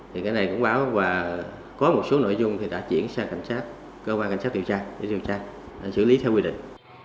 thì cái này cũng báo và có một số nội dung đã chuyển sang cơ quan cảnh sát điều tra để điều tra xử lý theo quy định